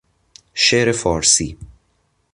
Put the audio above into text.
شعر فارسی